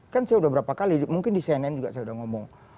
kan saya udah berapa kali mungkin di cnn juga saya sudah ngomong